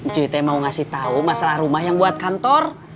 cuy teh mau ngasih tau masalah rumah yang buat kantor